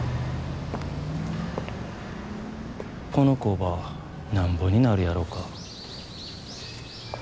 この工場なんぼになるやろか。